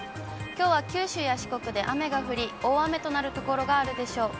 きょうは九州や四国で雨が降り、大雨となる所があるでしょう。